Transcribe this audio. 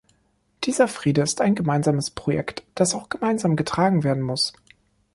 Dieser Friede ist ein gemeinsames Projekt, das auch gemeinsam getragen werden muss.